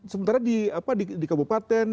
sementara di kabupaten